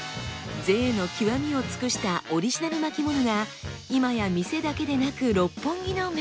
贅の極みを尽くしたオリジナル巻物が今や店だけでなく六本木の名物。